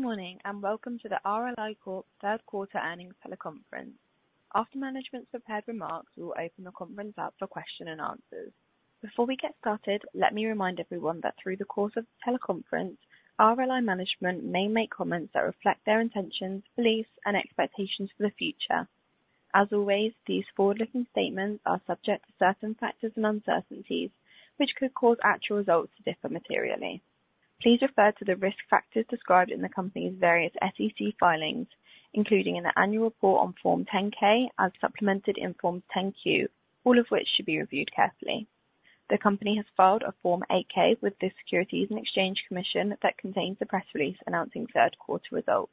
Good morning, and welcome to the RLI Corp. Q3 earnings teleconference. After management's prepared remarks, we will open the conference up for question and answers. Before we get started, let me remind everyone that through the course of the teleconference, RLI management may make comments that reflect their intentions, beliefs, and expectations for the future. As always, these forward-looking statements are subject to certain factors and uncertainties, which could cause actual results to differ materially. Please refer to the risk factors described in the company's various SEC filings, including in the annual report on Form 10-K, as supplemented in Form 10-Q, all of which should be reviewed carefully. The company has filed a Form 8-K with the Securities and Exchange Commission that contains a press release announcing Q3 results.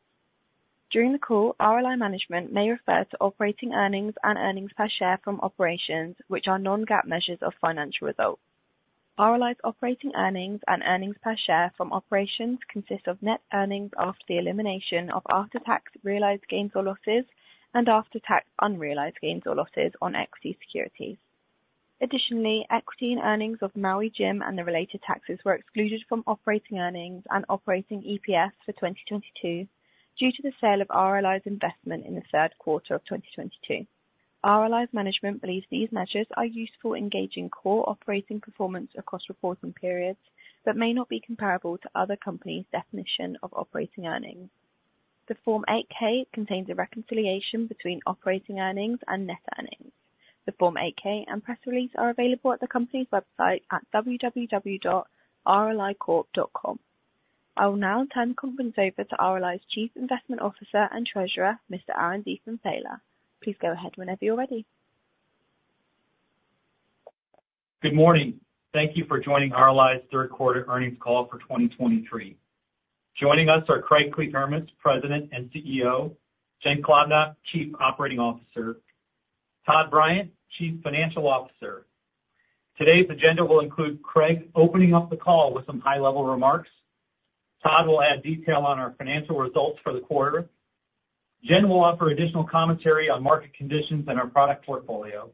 During the call, RLI management may refer to operating earnings and earnings per share from operations, which are non-GAAP measures of financial results. RLI's operating earnings and earnings per share from operations consist of net earnings after the elimination of after-tax realized gains or losses and after-tax unrealized gains or losses on equity securities. Additionally, equity and earnings of Maui Jim and the related taxes were excluded from operating earnings and operating EPS for 2022 due to the sale of RLI's investment in the Q3 of 2022. RLI's management believes these measures are useful in gauging core operating performance across reporting periods, but may not be comparable to other companies' definition of operating earnings. The Form 8-K contains a reconciliation between operating earnings and net earnings. The Form 8-K and press release are available at the company's website at www.rlicorp.com. I will now turn the conference over to RLI's Chief Investment Officer and Treasurer, Mr. Aaron Diefenthaler. Please go ahead whenever you're ready. Good morning. Thank you for joining RLI's Q3 earnings call for 2023. Joining us are Craig Kliethermes, President and CEO; Jen Klobnak, Chief Operating Officer; Todd Bryant, Chief Financial Officer. Today's agenda will include Craig opening up the call with some high-level remarks. Todd will add detail on our financial results for the quarter. Jen will offer additional commentary on market conditions and our product portfolio.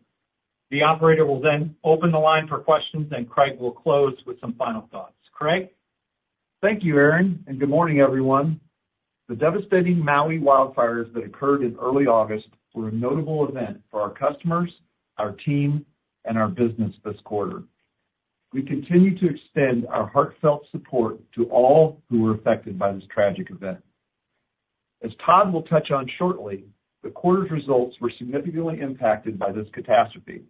The operator will then open the line for questions, and Craig will close with some final thoughts. Craig? Thank you, Aaron, and good morning, everyone. The devastating Maui wildfires that occurred in early August were a notable event for our customers, our team, and our business this quarter. We continue to extend our heartfelt support to all who were affected by this tragic event. As Todd will touch on shortly, the quarter's results were significantly impacted by this catastrophe.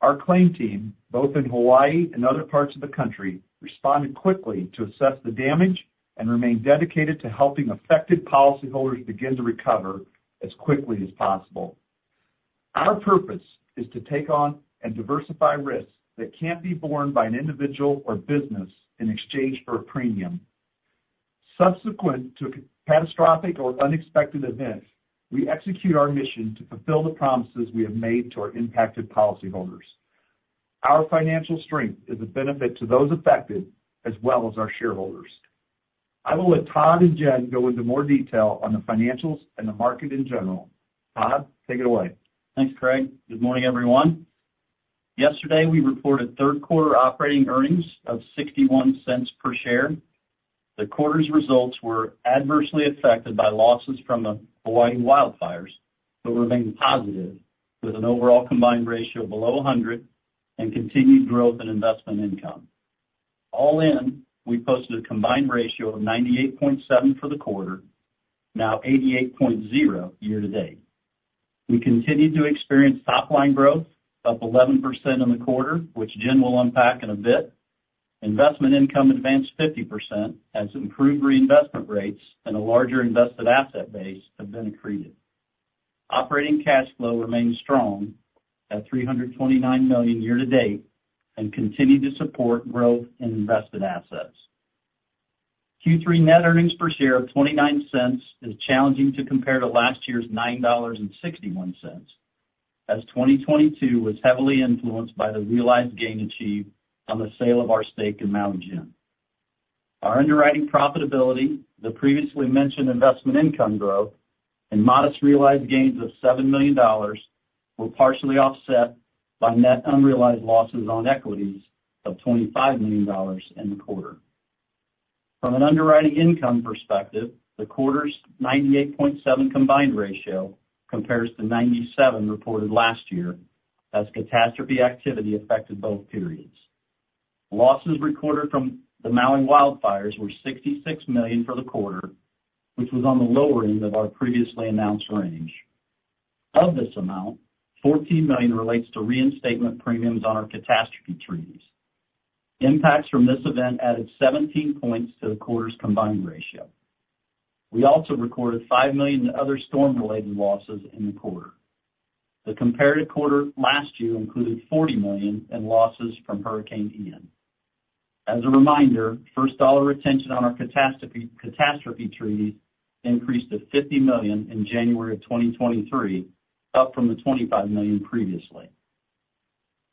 Our claim team, both in Hawaii and other parts of the country, responded quickly to assess the damage and remain dedicated to helping affected policyholders begin to recover as quickly as possible. Our purpose is to take on and diversify risks that can't be borne by an individual or business in exchange for a premium. Subsequent to a catastrophic or unexpected event, we execute our mission to fulfill the promises we have made to our impacted policyholders. Our financial strength is a benefit to those affected as well as our shareholders. I will let Todd and Jen go into more detail on the financials and the market in general. Todd, take it away. Thanks, Craig. Good morning, everyone. Yesterday, we reported Q3 operating earnings of $0.61 per share. The quarter's results were adversely affected by losses from the Hawaii wildfires, but remained positive with an overall combined ratio below 100 and continued growth in investment income. All in, we posted a combined ratio of 98.7 for the quarter, now 88.0 year to date. We continued to experience top line growth, up 11% in the quarter, which Jen will unpack in a bit. Investment income advanced 50% as improved reinvestment rates and a larger invested asset base have been accreted. Operating cash flow remains strong at $329 million year to date and continued to support growth in invested assets. Q3 net earnings per share of $0.29 is challenging to compare to last year's $9.61, as 2022 was heavily influenced by the realized gain achieved on the sale of our stake in Maui Jim. Our underwriting profitability, the previously mentioned investment income growth, and modest realized gains of $7 million were partially offset by net unrealized losses on equities of $25 million in the quarter. From an underwriting income perspective, the quarter's 98.7 combined ratio compares to 97 reported last year, as catastrophe activity affected both periods. Losses recorded from the Maui wildfires were $66 million for the quarter, which was on the lower end of our previously announced range. Of this amount, $14 million relates to reinstatement premiums on our catastrophe treaties. Impacts from this event added 17 points to the quarter's combined ratio. We also recorded $5 million in other storm-related losses in the quarter. The comparative quarter last year included $40 million in losses from Hurricane Ian. As a reminder, first dollar retention on our catastrophe treaty increased to $50 million in January of 2023, up from the $25 million previously.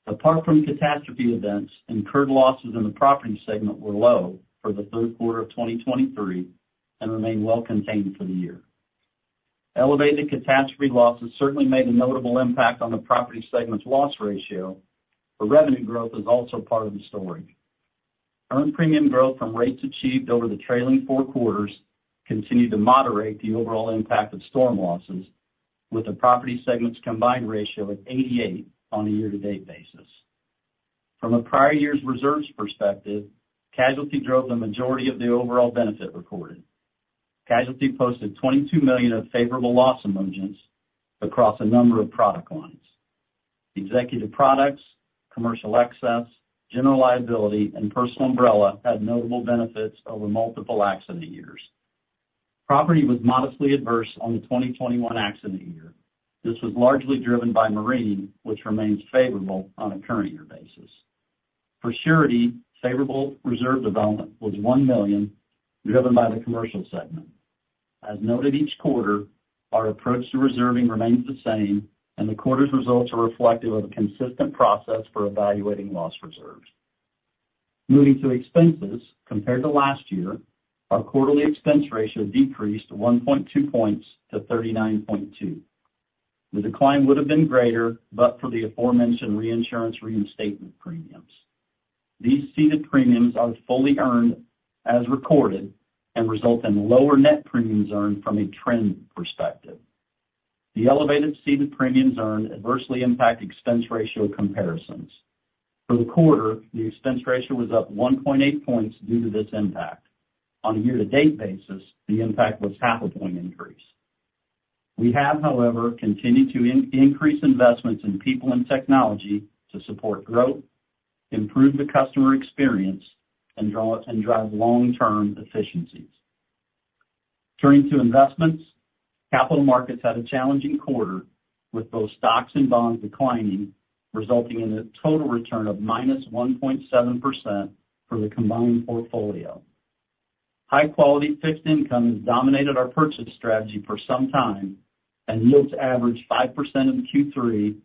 Apart from catastrophe events, incurred losses in the property segment were low for the Q3 of 2023 and remain well contained for the year. Elevated catastrophe losses certainly made a notable impact on the property segment's loss ratio, but revenue growth is also part of the story. Earned premium growth from rates achieved over the trailing four quarters continued to moderate the overall impact of storm losses, with the property segment's combined ratio at 88% on a year-to-date basis. From a prior year's reserves perspective, casualty drove the majority of the overall benefit recorded. Casualty posted $22 million of favorable loss emergence across a number of product lines. Executive products, commercial excess, general liability, and personal umbrella had notable benefits over multiple accident years. Property was modestly adverse on the 2021 accident year. This was largely driven by marine, which remains favorable on a current year basis. For surety, favorable reserve development was $1 million, driven by the commercial segment. As noted each quarter, our approach to reserving remains the same, and the quarter's results are reflective of a consistent process for evaluating loss reserves. Moving to expenses, compared to last year, our quarterly expense ratio decreased 1.2 points to 39.2. The decline would have been greater, but for the aforementioned reinsurance reinstatement premiums. These ceded premiums are fully earned as recorded and result in lower net premiums earned from a trend perspective. The elevated ceded premiums earned adversely impact expense ratio comparisons. For the quarter, the expense ratio was up 1.8 points due to this impact. On a year-to-date basis, the impact was half of point increase. We have, however, continued to increase investments in people and technology to support growth, improve the customer experience, and drive long-term efficiencies. Turning to investments, capital markets had a challenging quarter, with both stocks and bonds declining, resulting in a total return of -1.7% for the combined portfolio. High-quality fixed income has dominated our purchase strategy for some time and yields averaged 5% in Q3,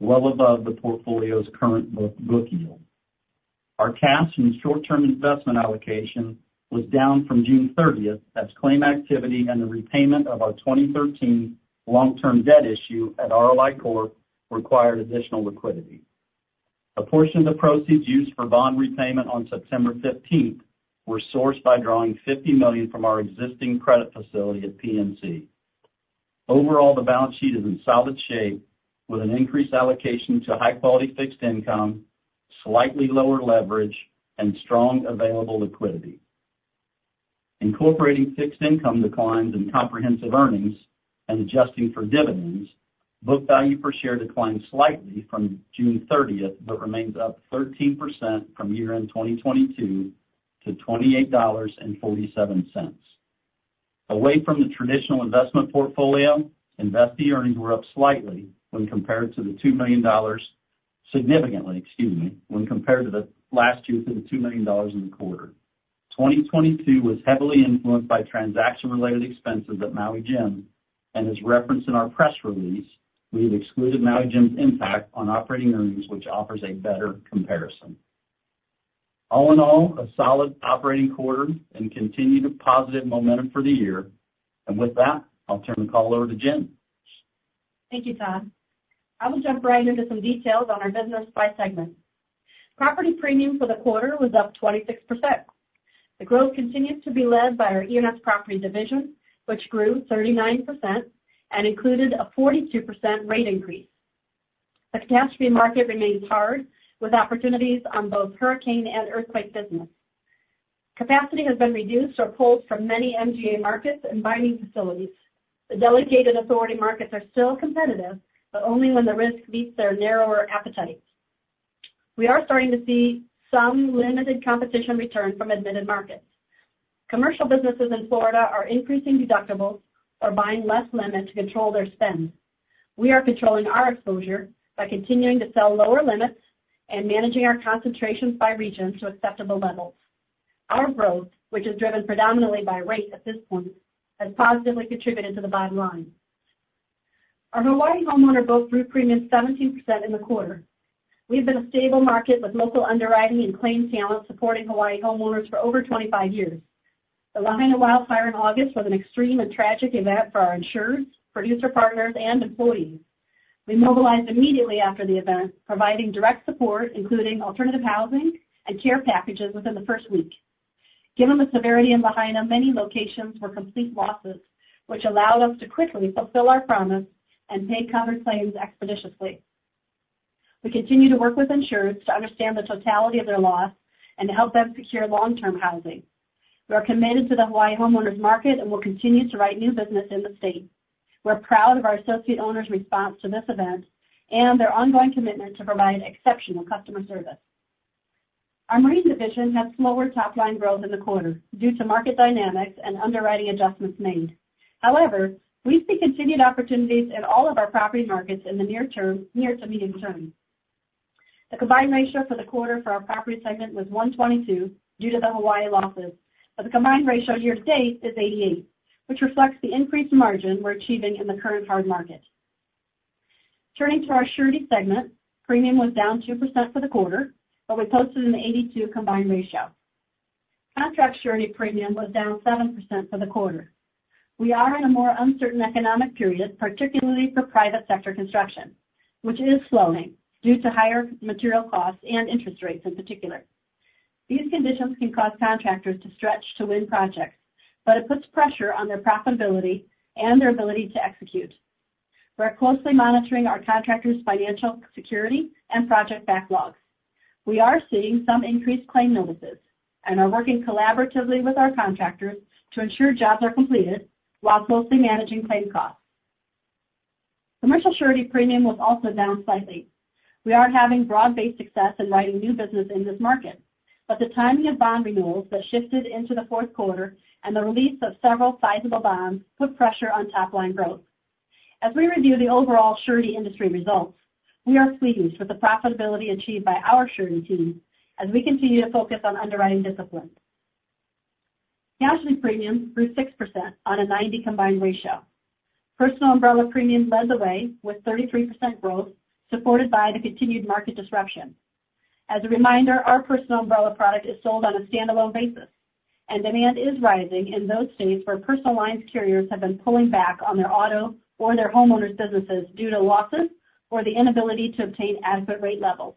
well above the portfolio's current book yield. Our cash and short-term investment allocation was down from June 30, as claim activity and the repayment of our 2013 long-term debt issue at RLI Corp. required additional liquidity. A portion of the proceeds used for bond repayment on September 15 were sourced by drawing $50 million from our existing credit facility at PNC. Overall, the balance sheet is in solid shape, with an increased allocation to high-quality fixed income, slightly lower leverage, and strong available liquidity. Incorporating fixed income declines in comprehensive earnings and adjusting for dividends, book value per share declined slightly from June 30, but remains up 13% from year-end 2022 to $28.47. Away from the traditional investment portfolio, investee earnings were up slightly when compared to the $2 million dollars- significantly, excuse me, when compared to the last year to the $2 million dollars in the quarter. 2022 was heavily influenced by transaction-related expenses at Maui Jim, and as referenced in our press release, we have excluded Maui Jim's impact on operating earnings, which offers a better comparison. All in all, a solid operating quarter and continued positive momentum for the year. With that, I'll turn the call over to Jen. Thank you, Todd. I will jump right into some details on our business by segment. Property premium for the quarter was up 26%. The growth continues to be led by our E&S Property Division, which grew 39% and included a 42% rate increase. The catastrophe market remains hard, with opportunities on both hurricane and earthquake business. Capacity has been reduced or pulled from many MGA markets and binding facilities. The delegated authority markets are still competitive, but only when the risk meets their narrower appetites. We are starting to see some limited competition return from admitted markets. Commercial businesses in Florida are increasing deductibles or buying less limits to control their spend. We are controlling our exposure by continuing to sell lower limits and managing our concentrations by region to acceptable levels. Our growth, which is driven predominantly by rate at this point, has positively contributed to the bottom line. Our Hawaii homeowner book grew premiums 17% in the quarter. We've been a stable market, with local underwriting and claims talent supporting Hawaii homeowners for over 25 years. The Lahaina wildfire in August was an extreme and tragic event for our insurers, producer partners, and employees. We mobilized immediately after the event, providing direct support, including alternative housing and care packages, within the first week. Given the severity in Lahaina, many locations were complete losses, which allowed us to quickly fulfill our promise and pay claims expeditiously. We continue to work with insurers to understand the totality of their loss and to help them secure long-term housing. We are committed to the Hawaii homeowners market and will continue to write new business in the state. We're proud of our associate owners' response to this event and their ongoing commitment to provide exceptional customer service. Our Marine division had slower top-line growth in the quarter due to market dynamics and underwriting adjustments made. However, we see continued opportunities in all of our property markets in the near to medium term. The combined ratio for the quarter for our Property segment was 122 due to the Hawaii losses, but the combined ratio year to date is 88, which reflects the increased margin we're achieving in the current hard market. Turning to our Surety segment, premium was down 2% for the quarter, but we posted an 82 combined ratio. Contract Surety premium was down 7% for the quarter. We are in a more uncertain economic period, particularly for private sector construction, which is slowing due to higher material costs and interest rates in particular. These conditions can cause contractors to stretch to win projects, but it puts pressure on their profitability and their ability to execute. We are closely monitoring our contractors' financial security and project backlogs. We are seeing some increased claim notices and are working collaboratively with our contractors to ensure jobs are completed while closely managing claim costs. Commercial Surety premium was also down slightly. We are having broad-based success in writing new business in this market, but the timing of bond renewals that shifted into the fourth quarter and the release of several sizable bonds put pressure on top line growth. As we review the overall Surety industry results, we are pleased with the profitability achieved by our Surety team as we continue to focus on underwriting discipline. Casualty premiums grew 6% on a 90 combined ratio. Personal umbrella premiums led the way, with 33% growth, supported by the continued market disruption. As a reminder, our personal umbrella product is sold on a standalone basis, and demand is rising in those states where personal lines carriers have been pulling back on their auto or their homeowners' businesses due to losses or the inability to obtain adequate rate levels.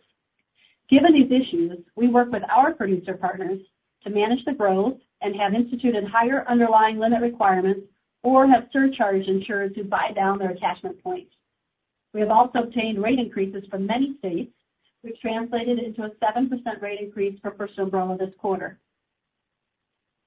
Given these issues, we work with our producer partners to manage the growth and have instituted higher underlying limit requirements or have surcharged insurers who buy down their attachment points. We have also obtained rate increases from many states, which translated into a 7% rate increase for personal umbrella this quarter.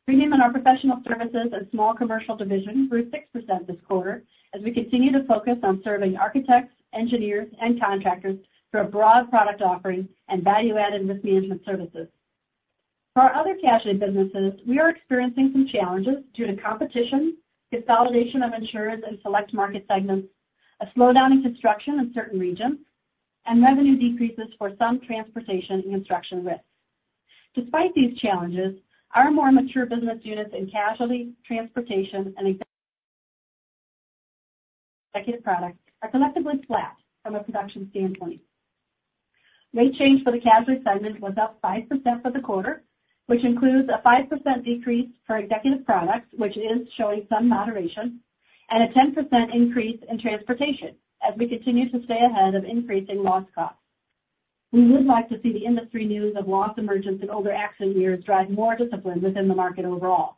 Premium in our professional services and small commercial division grew 6% this quarter as we continue to focus on serving architects, engineers, and contractors through a broad product offering and value-added risk management services. For our other casualty businesses, we are experiencing some challenges due to competition, consolidation of insurers in select market segments, a slowdown in construction in certain regions, and revenue decreases for some transportation and construction risks. Despite these challenges, our more mature business units in casualty, transportation, and executive products are collectively flat from a production standpoint. Rate change for the casualty segment was up 5% for the quarter, which includes a 5% decrease for executive products, which is showing some moderation, and a 10% increase in transportation as we continue to stay ahead of increasing loss costs. We would like to see the industry news of loss emergence in older accident years drive more discipline within the market overall.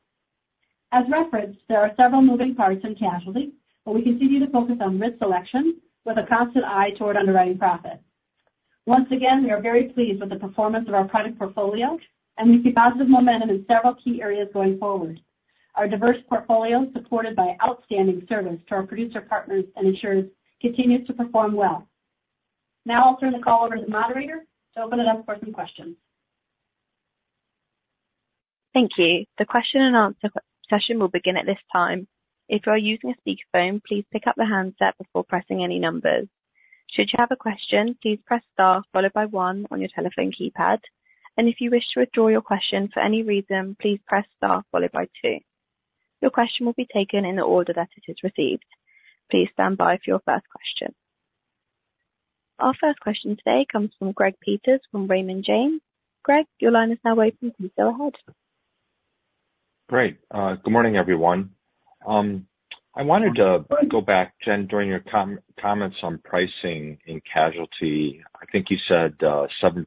As referenced, there are several moving parts in casualty, but we continue to focus on risk selection with a constant eye toward underwriting profit. Once again, we are very pleased with the performance of our product portfolio, and we see positive momentum in several key areas going forward. Our diverse portfolio, supported by outstanding service to our producer, partners, and insurers, continues to perform well. Now I'll turn the call over to the moderator to open it up for some questions. Thank you. The question and answer session will begin at this time. If you are using a speakerphone, please pick up the handset before pressing any numbers. Should you have a question, please press star followed by one on your telephone keypad. And if you wish to withdraw your question for any reason, please press star followed by two. Your question will be taken in the order that it is received. Please stand by for your first question. Our first question today comes from Greg Peters from Raymond James. Greg, your line is now open. You can go ahead. Great. Good morning, everyone. I wanted to go back, Jen, during your comments on pricing in casualty, I think you said 7%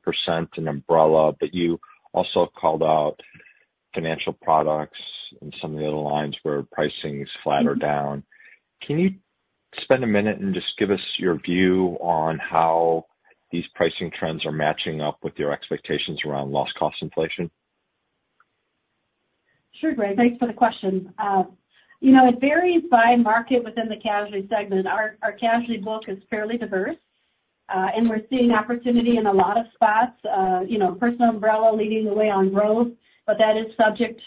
in umbrella, but you also called out financial products and some of the other lines where pricing is flat or down. Can you spend a minute and just give us your view on how these pricing trends are matching up with your expectations around loss cost inflation? Sure. Greg, thanks for the question. You know, it varies by market within the casualty segment. Our casualty book is fairly diverse, and we're seeing opportunity in a lot of spots, you know, personal umbrella leading the way on growth, but that is subject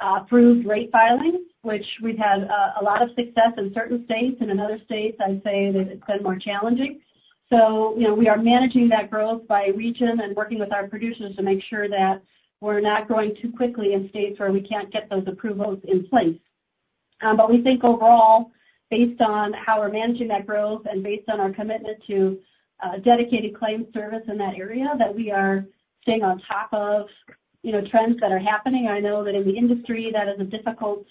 to approved rate filings, which we've had a lot of success in certain states, and in other states, I'd say that it's been more challenging. So, you know, we are managing that growth by region and working with our producers to make sure that we're not growing too quickly in states where we can't get those approvals in place. But we think overall, based on how we're managing that growth and based on our commitment to dedicated claims service in that area, that we are staying on top of, you know, trends that are happening. I know that in the industry, that is a difficult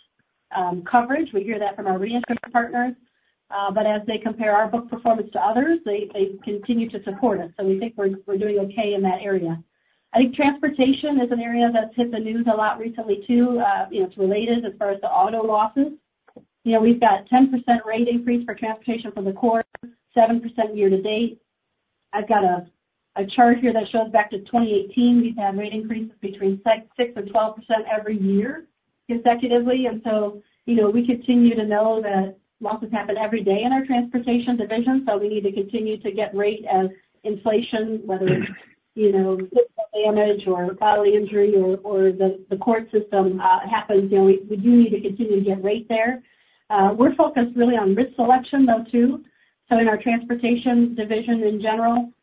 coverage. We hear that from our reinsurance partners, but as they compare our book performance to others, they continue to support us. So we think we're doing okay in that area. I think transportation is an area that's hit the news a lot recently, too. It's related as far as the auto losses. You know, we've got 10% rate increase for transportation for the quarter, 7% year to date. I've got a chart here that shows back to 2018, we've had rate increases between 6% and 12% every year, consecutively. So, you know, we continue to know that losses happen every day in our transportation division, so we need to continue to get rate as inflation, whether it's, you know, damage or bodily injury or, or the court system happens, you know, we do need to continue to get rate there. We're focused really on risk selection, though, too. So in our transportation division in general,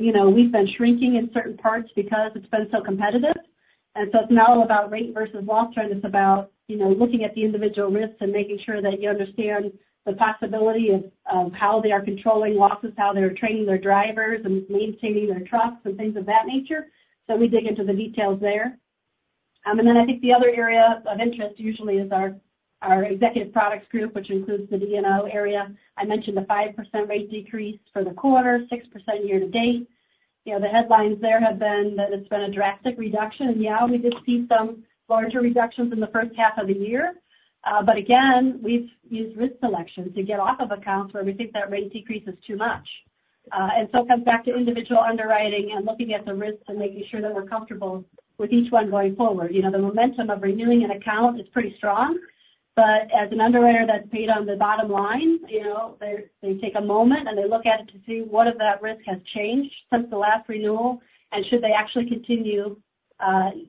you know, we've been shrinking in certain parts because it's been so competitive. And so it's not all about rate versus loss trend, it's about, you know, looking at the individual risks and making sure that you understand the possibility of, of how they are controlling losses, how they're training their drivers, and maintaining their trucks and things of that nature. So we dig into the details there. And then I think the other area of interest usually is our, our executive products group, which includes the D&O area. I mentioned the 5% rate decrease for the quarter, 6% year to date. You know, the headlines there have been that it's been a drastic reduction, and yeah, we did see some larger reductions in the first half of the year. But again, we've used risk selection to get off of accounts where we think that rate decrease is too much. And so it comes back to individual underwriting and looking at the risks and making sure that we're comfortable with each one going forward. You know, the momentum of renewing an account is pretty strong, but as an underwriter, that's made on the bottom line, you know, they, they take a moment, and they look at it to see what of that risk has changed since the last renewal, and should they actually continue,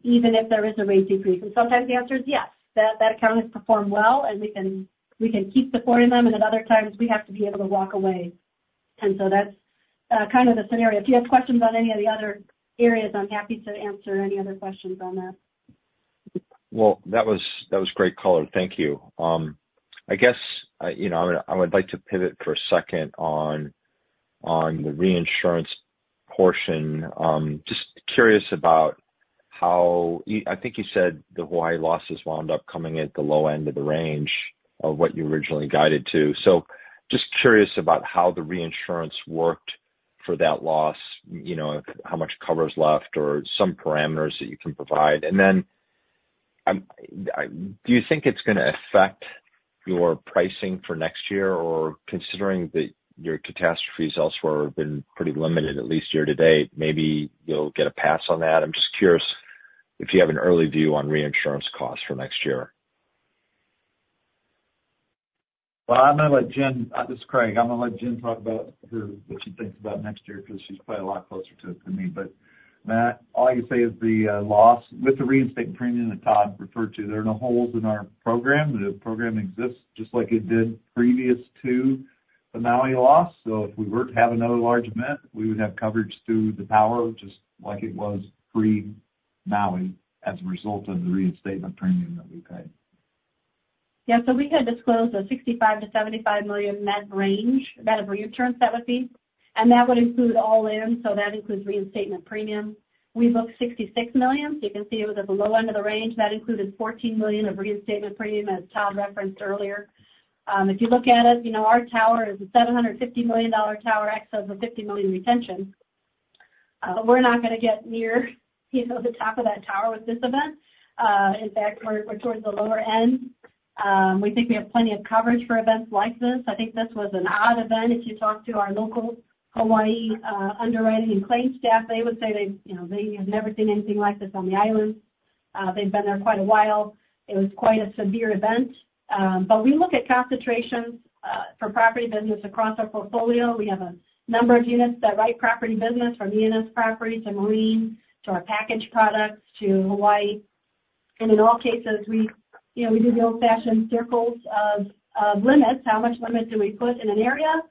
even if there is a rate decrease? And sometimes the answer is yes, that, that account has performed well, and we can, we can keep supporting them, and at other times, we have to be able to walk away. And so that's kind of the scenario. If you have questions about any of the other areas, I'm happy to answer any other questions on that. Well, that was, that was great color. Thank you. I guess, I, you know, I would like to pivot for a second on, on the reinsurance portion. Just curious about how, I think you said the Hawaii losses wound up coming at the low end of the range of what you originally guided to. So just curious about how the reinsurance worked for that loss, you know, how much cover is left or some parameters that you can provide. And then, I do you think it's going to affect your pricing for next year? Or considering that your catastrophes elsewhere have been pretty limited, at least year to date, maybe you'll get a pass on that. I'm just curious if you have an early view on reinsurance costs for next year. Well, I'm going to let Jen... This is Craig. I'm going to let Jen talk about, [inaudible] what she thinks about next year, because she's probably a lot closer to it than me. But , all I can say is the loss with the reinstatement premium that Todd referred to, there are no holes in our program. The program exists just like it did previous to the Maui loss. So if we were to have another large event, we would have coverage through the tower, just like it was pre-Maui, as a result of the reinstatement premium that we paid. Yeah, so we had disclosed a $65 million-$75 million net range. That of reinsurance, that would be, and that would include all in, so that includes reinstatement premium. We booked $66 million, so you can see it was at the low end of the range. That included $14 million of reinstatement premium, as Todd referenced earlier. If you look at it, you know, our tower is a $750 million tower, excess of $50 million retention. We're not going to get near, you know, the top of that tower with this event. In fact, we're towards the lower end. We think we have plenty of coverage for events like this. I think this was an odd event. If you talk to our local Hawaii underwriting and claims staff, they would say they, you know, they have never seen anything like this on the island. They've been there quite a while. It was quite a severe event. But we look at concentrations for property business across our portfolio. We have a number of units that write property business, from E&S properties, to marine, to our package products, to Hawaii. And in all cases, we, you know, we do the old-fashioned circles of limits. How much limits do we put in an area?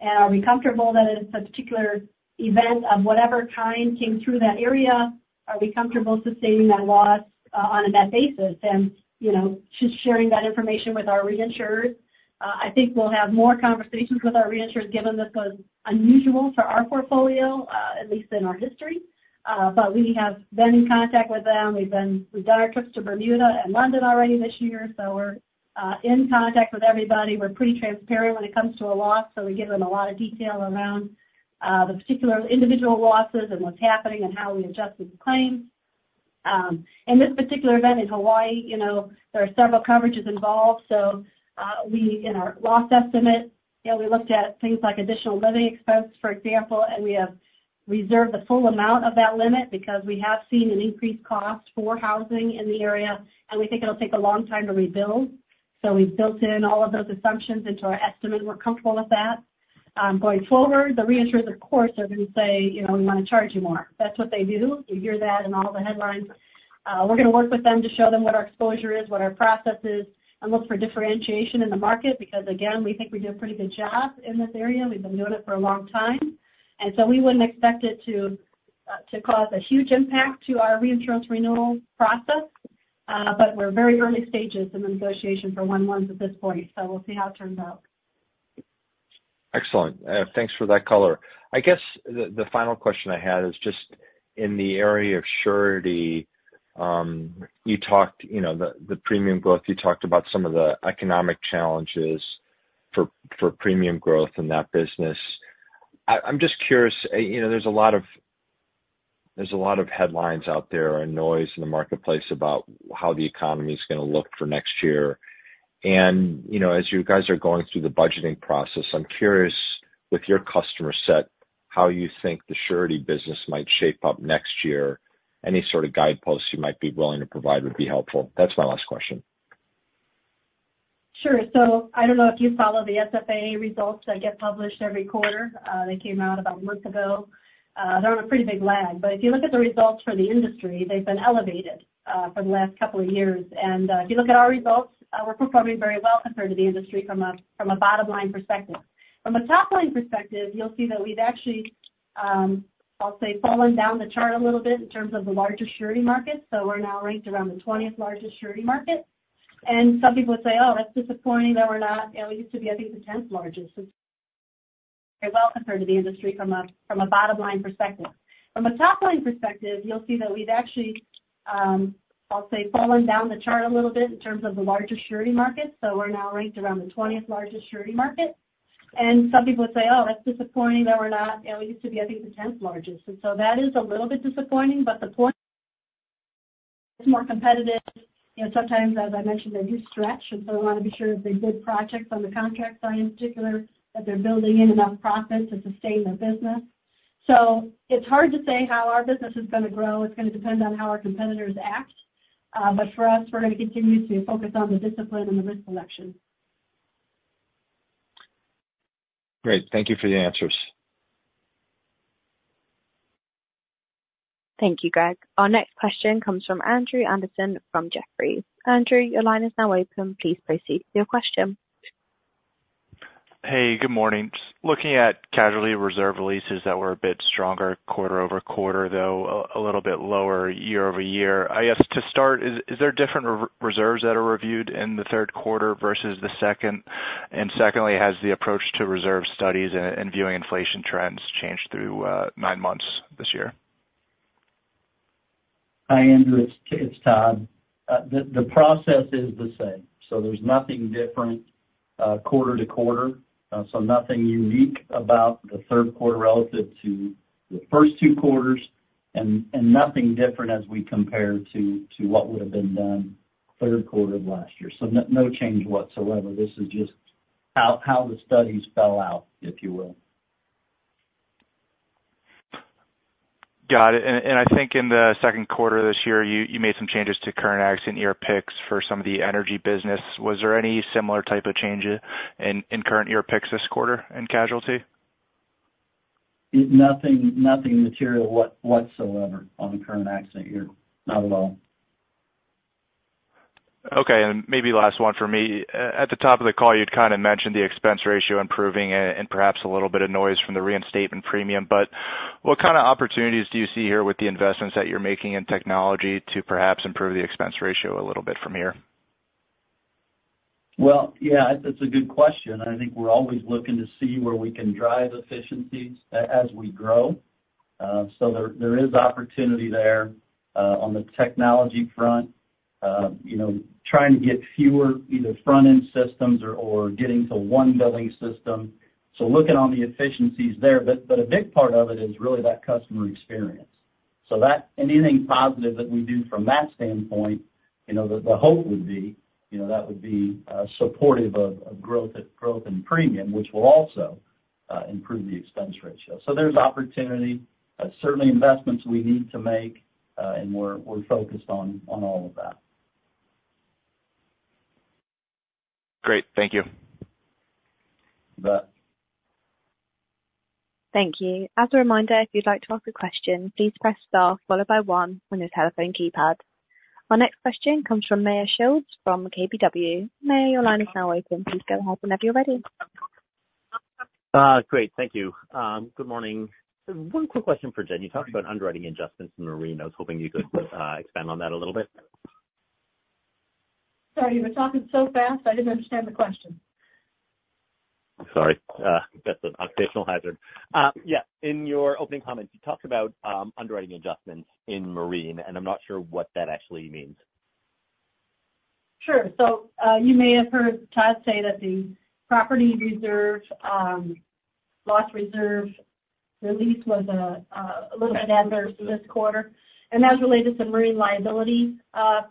And are we comfortable that if a particular event of whatever kind came through that area, are we comfortable sustaining that loss on a net basis? And, you know, just sharing that information with our reinsurers. I think we'll have more conversations with our reinsurers, given this was unusual for our portfolio, at least in our history. But we have been in contact with them. We've done our trips to Bermuda and London already this year, so we're in contact with everybody. We're pretty transparent when it comes to a loss, so we give them a lot of detail around the particular individual losses and what's happening and how we adjusted the claims. In this particular event in Hawaii, you know, there are several coverages involved. So, we in our loss estimate, you know, we looked at things like additional living expense, for example, and we have reserved the full amount of that limit because we have seen an increased cost for housing in the area, and we think it'll take a long time to rebuild. So we've built in all of those assumptions into our estimate. We're comfortable with that. Going forward, the reinsurers, of course, are going to say: You know, we want to charge you more. That's what they do. You hear that in all the headlines. We're going to work with them to show them what our exposure is, what our process is, and look for differentiation in the market, because, again, we think we do a pretty good job in this area. We've been doing it for a long time, and so we wouldn't expect it to to cause a huge impact to our reinsurance renewal process. But we're very early stages in the negotiation for one-to-ones at this point, so we'll see how it turns out. Excellent. Thanks for that color. I guess the final question I had is just in the area of surety. You talked, you know, the premium growth, you talked about some of the economic challenges for premium growth in that business. I'm just curious, you know, there's a lot of headlines out there and noise in the marketplace about how the economy is going to look for next year. And, you know, as you guys are going through the budgeting process, I'm curious, with your customer set, how you think the surety business might shape up next year. Any sort of guideposts you might be willing to provide would be helpful. That's my last question. Sure. So I don't know if you follow the SFAA results that get published every quarter. They came out about a month ago. And so that is a little bit disappointing, but the point, it's more competitive. You know, sometimes, as I mentioned, they do stretch, and so we want to be sure if they bid projects on the contract side in particular, that they're building in enough profit to sustain their business. So it's hard to say how our business is going to grow. It's going to depend on how our competitors act. But for us, we're going to continue to focus on the discipline and the risk selection. Great. Thank you for the answers. Thank you, Greg. Our next question comes from Andrew Andersen from Jefferies. Andrew, your line is now open. Please proceed with your question. Hey, good morning. Looking at casualty reserve releases that were a bit stronger quarter-over-quarter, though, a little bit lower year-over-year. I guess to start, is there different reserves that are reviewed in the Q3 versus the second? And secondly, has the approach to reserve studies and viewing inflation trends changed through nine months this year? Hi, Andrew. It's Todd. The process is the same, so there's nothing different quarter to quarter. So nothing unique about the Q3 relative to the first two quarters and nothing different as we compare to what would have been done Q3 of last year. So no, no change whatsoever. This is just how the studies fell out, if you will. Got it. And I think in the Q2 this year, you made some changes to current accident year picks for some of the energy business. Was there any similar type of changes in current year picks this quarter in casualty? Nothing, nothing material whatsoever on the current Accident Year. Not at all. Okay, and maybe last one for me. At the top of the call, you'd kind of mentioned the expense ratio improving and perhaps a little bit of noise from the reinstatement premium. But what kind of opportunities do you see here with the investments that you're making in technology to perhaps improve the expense ratio a little bit from here? Well, yeah, that's a good question. I think we're always looking to see where we can drive efficiencies as we grow. So there is opportunity there on the technology front. You know, trying to get fewer, either front-end systems or getting to one billing system. So looking on the efficiencies there. But a big part of it is really that customer experience. So that anything positive that we do from that standpoint, you know, the hope would be, you know, that would be supportive of growth in premium, which will also improve the expense ratio. So there's opportunity, certainly investments we need to make, and we're focused on all of that. Great. Thank you. You bet. Thank you. As a reminder, if you'd like to ask a question, please press star followed by one on your telephone keypad. Our next question comes from Meyer Shields from KBW. Meyer, your line is now open. Please go ahead whenever you're ready. Great. Thank you. Good morning. One quick question for Jen. You talked about underwriting adjustments in marine. I was hoping you could expand on that a little bit. Sorry, you were talking so fast, I didn't understand the question. Sorry, that's an occupational hazard. Yeah, in your opening comments, you talked about underwriting adjustments in marine, and I'm not sure what that actually means. Sure. So, you may have heard Todd say that the property reserve loss reserve release was a little bit adverse this quarter, and that's related to some marine liability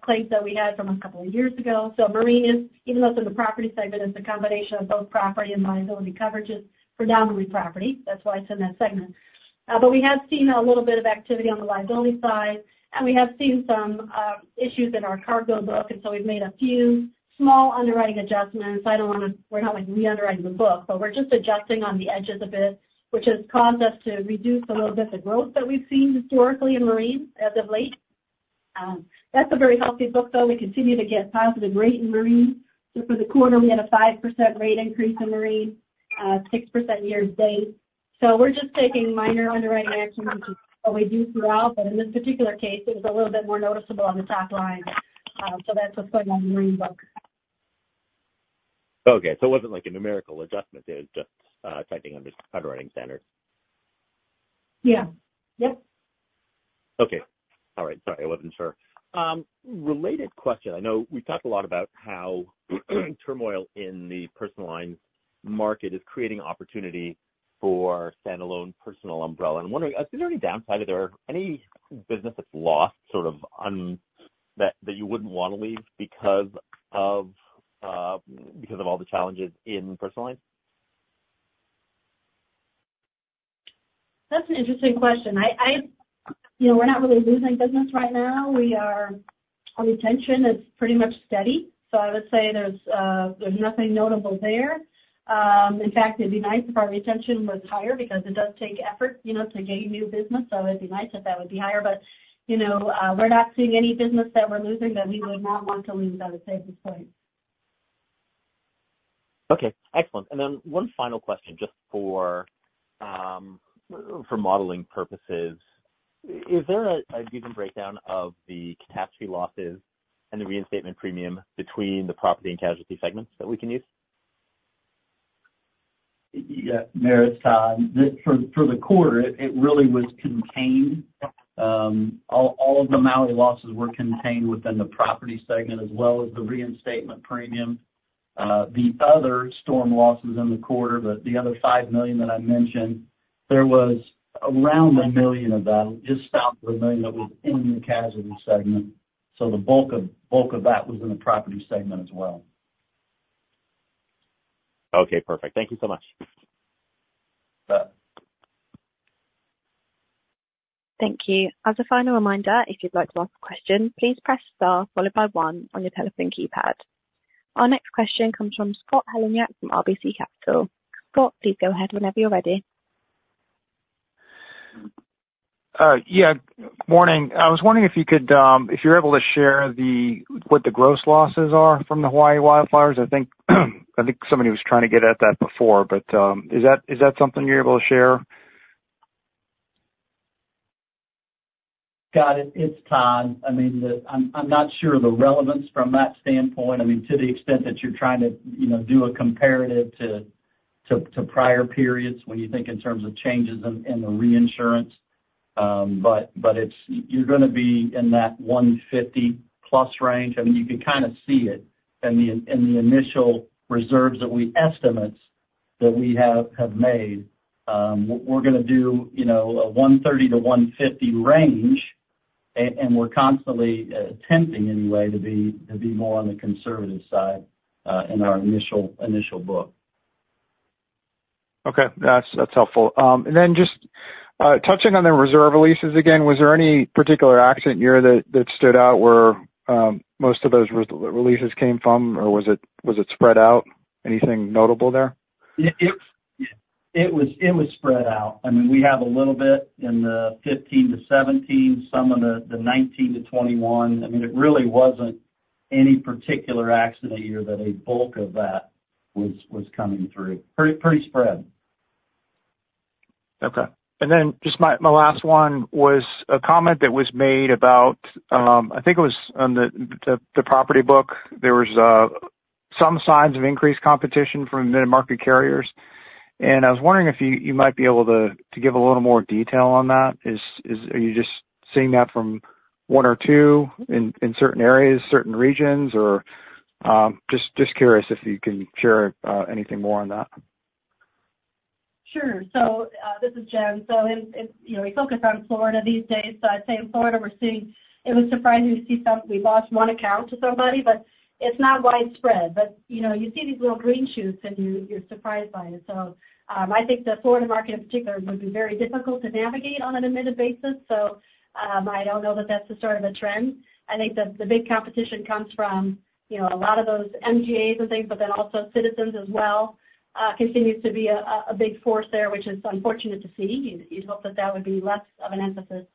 claims that we had from a couple of years ago. So marine is, even though it's in the property segment, it's a combination of both property and liability coverages, predominantly property. That's why it's in that segment. But we have seen a little bit of activity on the liability side, and we have seen some issues in our cargo book, and so we've made a few small underwriting adjustments. I don't want to. We're not, like, reunderwriting the book, but we're just adjusting on the edges a bit, which has caused us to reduce a little bit the growth that we've seen historically in marine as of late. That's a very healthy book, though. We continue to get positive rate in marine. Just for the quarter, we had a 5% rate increase in marine, 6% year to date. So we're just taking minor underwriting actions, which is what we do throughout, but in this particular case, it was a little bit more noticeable on the top line. So that's what's going on in the marine book. Okay, so it wasn't like a numerical adjustment, it was just tightening under underwriting standards? Yeah. Yep. Okay. All right. Sorry, I wasn't sure. Related question: I know we've talked a lot about how turmoil in the personal lines market is creating opportunity for standalone personal umbrella. I'm wondering, is there any downside? Are there any business that's lost, sort of, that you wouldn't want to leave because of all the challenges in personal lines? That's an interesting question. I you know, we're not really losing business right now. We are... Our retention is pretty much steady, so I would say there's nothing notable there. In fact, it'd be nice if our retention was higher because it does take effort, you know, to gain new business, so it'd be nice if that would be higher. But you know, we're not seeing any business that we're losing that we would not want to lose, I would say, at this point.... Okay, excellent. And then one final question, just for, for modeling purposes. Is there a good breakdown of the catastrophe losses and the reinstatement premium between the property and casualty segments that we can use? Yeah, Meyer, for the quarter, it really was contained. All of the Maui losses were contained within the property segment, as well as the reinstatement premium. The other storm losses in the quarter, but the other $5 million that I mentioned, there was around $1 million of that, just south of $1 million that was in the casualty segment. So the bulk of that was in the property segment as well. Okay, perfect. Thank you so much. Bye. Thank you. As a final reminder, if you'd like to ask a question, please press star followed by one on your telephone keypad. Our next question comes from Scott Heleniak from RBC Capital. Scott, please go ahead whenever you're ready. Yeah, morning. I was wondering if you could, if you're able to share the, what the gross losses are from the Hawaii wildfires? I think, I think somebody was trying to get at that before, but, is that, is that something you're able to share? Got it. It's Todd. I mean, I'm not sure the relevance from that standpoint. I mean, to the extent that you're trying to, you know, do a comparative to prior periods when you think in terms of changes in the reinsurance. But it's, you're going to be in that 150+ range. I mean, you can kind of see it in the initial reserve estimates that we have made. We're going to do, you know, a 130-150 range, and we're constantly attempting anyway to be more on the conservative side in our initial book. Okay. That's, that's helpful. And then just, touching on the reserve releases again, was there any particular accident year that, that stood out where, most of those reserve releases came from, or was it, was it spread out? Anything notable there? It was spread out. I mean, we have a little bit in the 15-17, some in the 19-21. I mean, it really wasn't any particular accident year that a bulk of that was coming through. Pretty spread. Okay. And then just my last one was a comment that was made about, I think it was on the property book. There was some signs of increased competition from mid-market carriers, and I was wondering if you might be able to give a little more detail on that. Are you just seeing that from one or two in certain areas, certain regions, or just curious if you can share anything more on that? Sure. So, this is Jen. So it's you know, we focus on Florida these days, so I'd say in Florida, we're seeing... It was surprising to see some, we lost one account to somebody, but it's not widespread. But, you know, you see these little green shoots, and you're surprised by it. So, I think the Florida market in particular would be very difficult to navigate on an admitted basis. So, I don't know that that's the start of a trend. I think that the big competition comes from, you know, a lot of those MGAs and things, but then also Citizens as well continues to be a big force there, which is unfortunate to see. You'd hope that that would be less of an emphasis.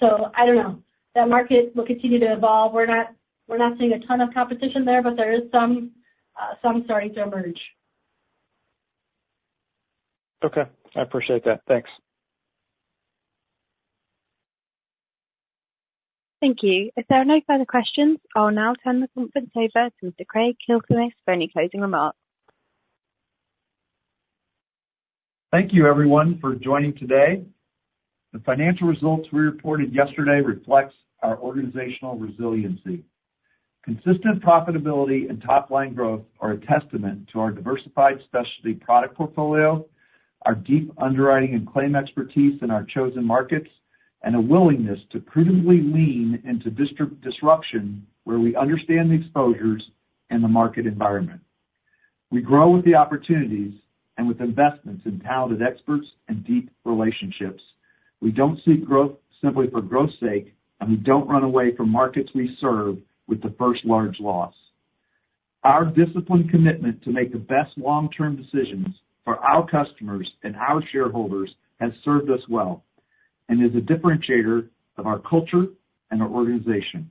So, I don't know. That market will continue to evolve. We're not seeing a ton of competition there, but there is some starting to emerge. Okay. I appreciate that. Thanks. Thank you. If there are no further questions, I'll now turn the conference over to Mr. Craig Kliethermes, for any closing remarks. Thank you, everyone, for joining today. The financial results we reported yesterday reflects our organizational resiliency. Consistent profitability and top-line growth are a testament to our diversified specialty product portfolio, our deep underwriting and claim expertise in our chosen markets, and a willingness to prudently lean into disruption where we understand the exposures and the market environment. We grow with the opportunities and with investments in talented experts and deep relationships. We don't seek growth simply for growth's sake, and we don't run away from markets we serve with the first large loss. Our disciplined commitment to make the best long-term decisions for our customers and our shareholders has served us well and is a differentiator of our culture and our organization.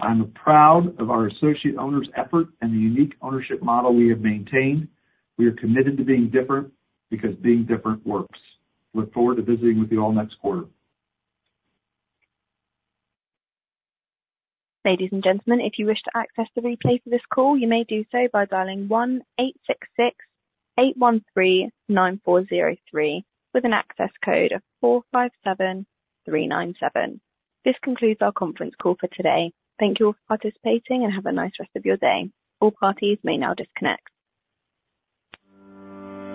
I'm proud of our associate owners' effort and the unique ownership model we have maintained. We are committed to being different, because being different works. Look forward to visiting with you all next quarter. Ladies and gentlemen, if you wish to access the replay for this call, you may do so by dialing 1-866-813-9403, with an access code of 457397. This concludes our conference call for today. Thank you all for participating and have a nice rest of your day. All parties may now disconnect.